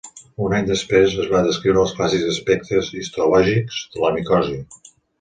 Un any després es va descriure els clàssics aspectes histològics de la micosi.